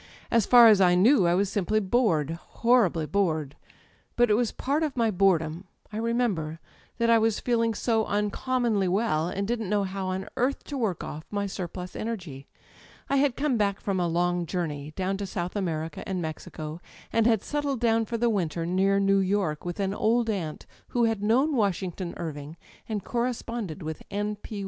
As far as I knew I was simply bored â€" horribly bored. But it was part of my boredom â€" I remember â€" ^that I was feeling so unconmionly well, and didn't know how on earth to work oflF my surplus energy. I had come back from a long journey â€" down in South America and Mexico â€" and had settled down for the winter near New York, with an old aunt who had known Washing ton Irving and corresponded with N. P.